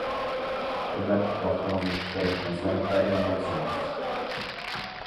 قىممەتلىك ۋاقتىڭىزنى چىقىرىپ مەسلىھەت بەرگەن بولسىڭىز.